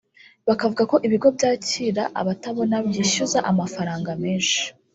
bakavuga ko ibigo by’amashuli byakira abatabona byishyuza amafaranga menshi